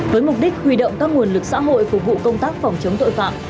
với mục đích huy động các nguồn lực xã hội phục vụ công tác phòng chống tội phạm